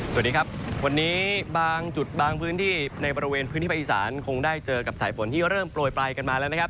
สวัสดีครับวันนี้บางจุดบางพื้นที่ในบริเวณพื้นที่ภาคอีสานคงได้เจอกับสายฝนที่เริ่มโปรยปลายกันมาแล้วนะครับ